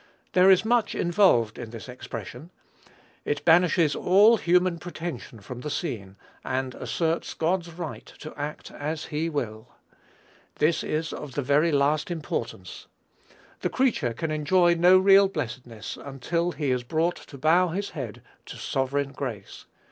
There is much involved in this expression. It banishes all human pretension from the scene, and asserts God's right to act as he will. This is of the very last importance. The creature can enjoy no real blessedness until he is brought to bow his head to sovereign grace.